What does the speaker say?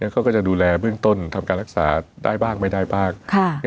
เขาก็จะดูแลเบื้องต้นทำการรักษาได้บ้างไม่ได้บ้าง